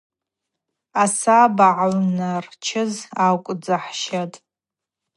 Асаба ъагӏвнарчыз акӏвдзыхӏщатӏ.